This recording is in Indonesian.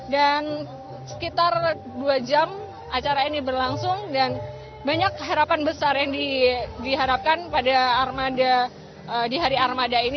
dan sekitar dua jam acara ini berlangsung dan banyak harapan besar yang diharapkan pada armada